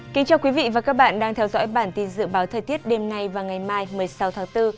chào mừng quý vị đến với bản tin dự báo thời tiết đêm nay và ngày mai một mươi sáu tháng bốn